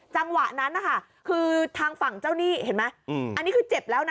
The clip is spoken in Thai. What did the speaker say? จังหวะนั้นนะคะคือทางฝั่งเจ้าหนี้เห็นไหมอันนี้คือเจ็บแล้วนะ